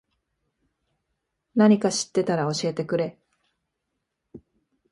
なにか知ってたら教えてくれ。